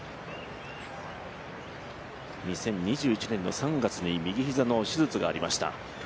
２０２１年の３月に右膝の手術がありました。